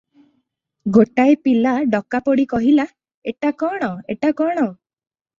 ଗୋଟାଏ ପିଲା ଡକାପଡ଼ି କହିଲା, ଏଟା କ'ଣ ଏଟା କ'ଣ?